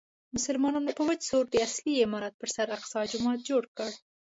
مسلمانانو په وچ زور د اصلي عمارت پر سر اقصی جومات جوړ کړی.